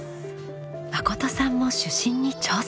まことさんも主審に挑戦！